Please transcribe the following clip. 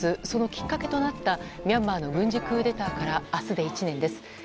そのきっかけとなったミャンマーの軍事クーデターから明日で１年です。